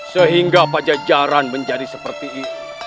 sehingga pajajaran menjadi seperti ini